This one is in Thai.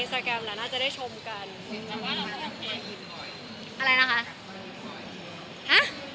ถ้าสมมุติเย็นเขาลงหุ่นดีขนาดนั้น